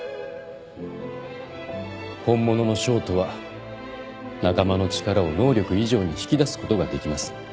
本物の将とは仲間の力を能力以上に引き出すことができます。